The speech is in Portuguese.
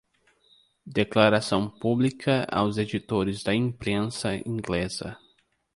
Declaração Pública aos Editores da Imprensa Inglesa